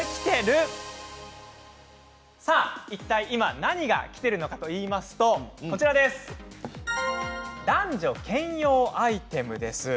いったい今何がきているかといいますと男女兼用アイテムです。